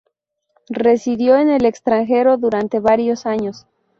Residió en el extranjero durante varios años.